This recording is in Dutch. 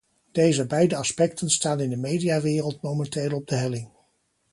Deze beide aspecten staan in de mediawereld momenteel op de helling.